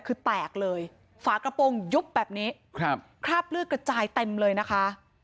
คือแตกเลยฝากระโปรงยุบแบบนี้ครับคราบเลือดกระจายเต็มเลยนะคะ